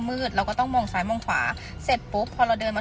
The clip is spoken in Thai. เราก็ต้องมองซ้ายมองขวาเสร็จปุ๊บพอเราเดินมา